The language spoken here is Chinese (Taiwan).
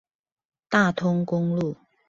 大通公路